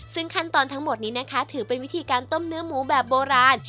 ซึ่งขั้นตอนทั้งหมดนี้นะคะถือเป็นวิธีการต้มเนื้อหมูแบบโบราณ